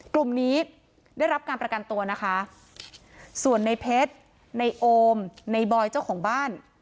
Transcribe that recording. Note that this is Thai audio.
กลุ่มนี้ได้รับการประกันตัวนะคะส่วนในเพชรในโอมในบอยเจ้าของบ้าน